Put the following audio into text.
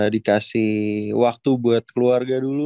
dikasih waktu buat keluarga dulu